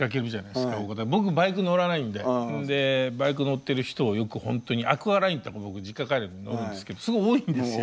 僕バイク乗らないんででバイク乗ってる人をよくほんとにアクアラインって僕実家帰る時に乗るんですけどすごい多いんですよ